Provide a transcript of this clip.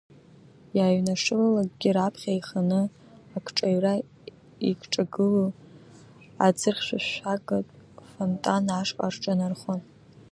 Иааҩнашылалакгьы раԥхьа еиханы агҿаҩра игҿагылоу аӡырхьшәашәагатә фонтан ашҟа рҿынархон.